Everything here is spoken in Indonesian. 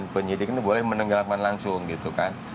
penyidik ini boleh menenggelamkan langsung gitu kan